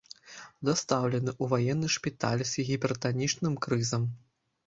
Дастаўлены ў ваенны шпіталь з гіпертанічным крызам.